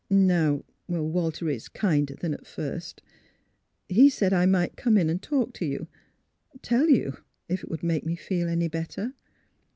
Now, Walter is — kinder than at first. He said I might come in and talk to you — tell you, if it would make me feel any better."